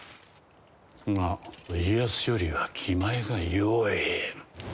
が家康よりは気前がよい。